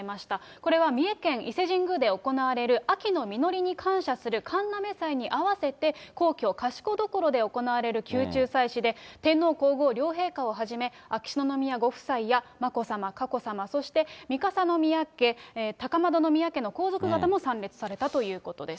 これは三重県伊勢神宮で行われる秋の実りに感謝する神嘗祭に合わせて、皇居・賢所で行われる宮中祭祀で、天皇皇后両陛下をはじめ、秋篠宮ご夫妻や眞子さま、佳子さま、そして三笠宮家、高円宮家の皇族方も参列されたということです。